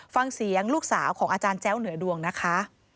ฟังเสียงลูกสาวของอาจารย์แจ้วเหนือดวงนะคะ